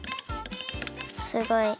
すごい。